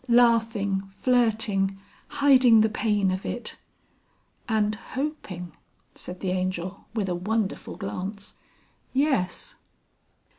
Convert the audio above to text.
Laughing, flirting, hiding the pain of it...." "And hoping," said the Angel with a wonderful glance. "Yes."